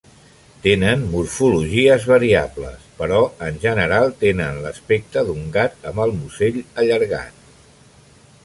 Tenen morfologies variables, però en general tenen l'aspecte d'un gat amb el musell allargat.